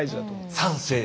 賛成！